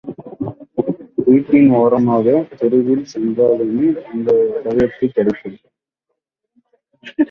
வீட்டின் ஓரமாகத் தெருவில் சென்றாலுமே அந்த வரவேற்பு கிடைக்கும்.